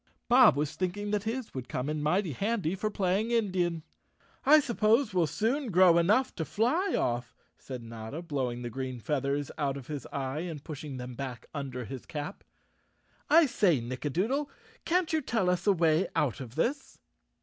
Bob was thinking that his would come in mighty handy for playing Indian. "I suppose we'll soon grow enough to fly off," said Notta, blowing the green feathers out of his eye and pushing them back under his chap. "I say, Nicka doodle, can't you tell us a way out of this?"